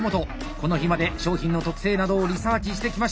この日まで商品の特性などをリサーチしてきました。